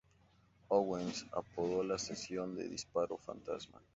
Owens apodó la sesión de "disparo fantasma".